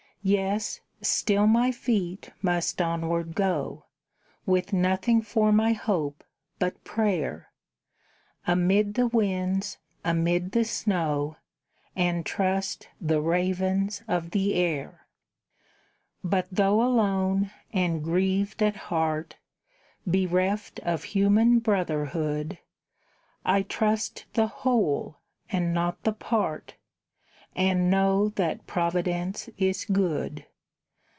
Yes, still my feet must onward go, With nothing for my hope but prayer, Amid the winds, amid the snow, And trust the ravens of the air. But though alone, and grieved at heart, Bereft of human brotherhood, I trust the whole and not the part, And know that Providence is good.